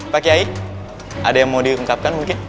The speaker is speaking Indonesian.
pak kiai ada yang mau diungkapkan mungkin